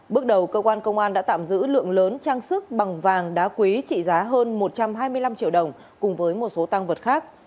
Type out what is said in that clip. bước đầu cơ quan công an đã tạm giữ lượng lớn trang sức bằng vàng đá quý trị giá hơn một trăm hai mươi năm triệu đồng cùng với một số tăng vật khác